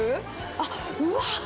あっ、うわー！